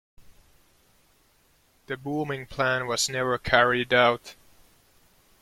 The booming plan was never carried out.